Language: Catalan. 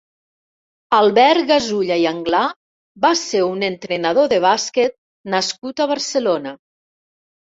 Albert Gasulla i Anglà va ser un entrenador de bàsquet nascut a Barcelona.